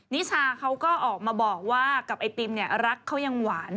นิชาเขาก็ออกมาบอกว่ากับไอติมเนี่ยรักเขายังหวาน